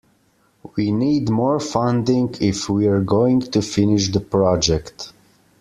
We need more funding if we're going to finish the project.